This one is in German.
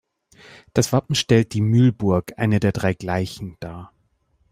Das Wappen stellt die Mühlburg, eine der Drei Gleichen, dar.